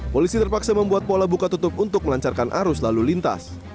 polisi terpaksa membuat pola buka tutup untuk melancarkan arus lalu lintas